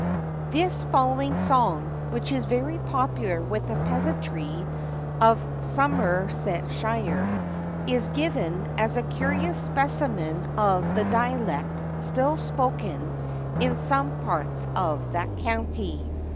[THIS following song, which is very popular with the peasantry of Somersetshire, is given as a curious specimen of the dialect still spoken in some parts of that county.